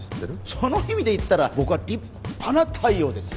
その意味で言ったら僕は立派な太陽ですよ